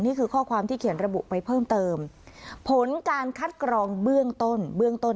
นี่คือข้อความที่เขียนระบุไปเพิ่มเติมผลการคัดกรองเบื้องต้นเบื้องต้น